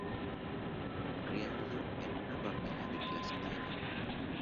Criado en una familia de clase media.